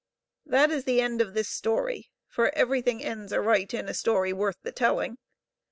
That is the end of this story, for everything ends aright in a story worth the telling.